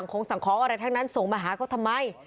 ของอะไรทั้งนั้นส่งมาหาก็ทำไม